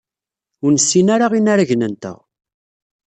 Ur nessin ara inaragen-nteɣ.